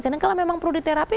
karena kalau memang perlu diterapi